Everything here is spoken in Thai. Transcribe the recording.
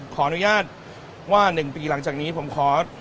ขออนุญาตว่า๑ปีหลังจากนี้ผมขอ